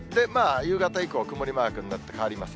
夕方以降、曇りマークになってかわります。